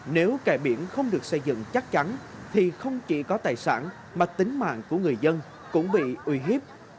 nếu kẻ biển không được xây dựng chắc chắn thì không chỉ có tài sản mà tính mạng của người dân cũng bị uy hiếp